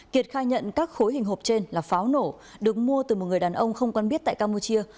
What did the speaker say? kiệt khai nhận các khối hình hộp trên là pháo nổ được mua từ một người đàn ông không quan biết tại campuchia